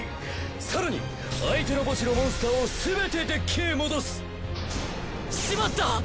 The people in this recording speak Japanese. さらに相手の墓地のモンスターをすべてデッキへ戻す！しまった！